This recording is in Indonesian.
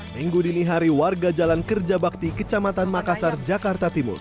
minggu dini hari warga jalan kerja bakti kecamatan makassar jakarta timur